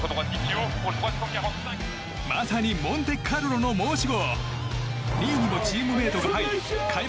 まさにモンテカルロの申し子！